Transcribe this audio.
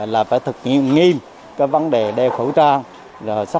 là phải thực hiện nghiêm cái vấn đề đeo khẩu trang